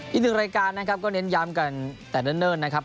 อีกหนึ่งรายการนะครับก็เน้นย้ำกันแต่เนิ่นนะครับ